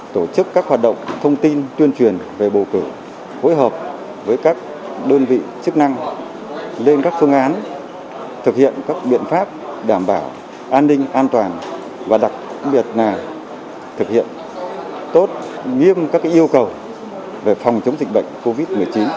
tổ chức các hoạt động thông tin tuyên truyền về bầu cử phối hợp với các đơn vị chức năng lên các phương án thực hiện các biện pháp đảm bảo an ninh an toàn và đặc biệt là thực hiện tốt nghiêm các yêu cầu về phòng chống dịch bệnh covid một mươi chín